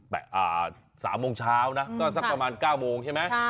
แต่๓โมงเช้านะก็สักประมาณ๙โมงใช่ไหม